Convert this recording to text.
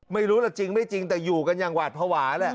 ไม่รู้ล่ะจริงไม่จริงแต่อยู่กันอย่างหวาดภาวะแหละ